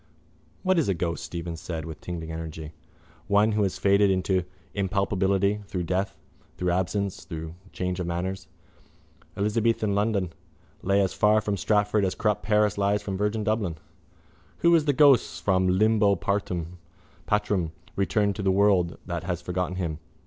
—What is a ghost? Stephen said with tingling energy. One who has faded into impalpability through death, through absence, through change of manners. Elizabethan London lay as far from Stratford as corrupt Paris lies from virgin Dublin. Who is the ghost from limbo patrum, returning to the world that has forgotten him?